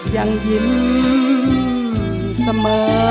ยังยิ้มเสมอ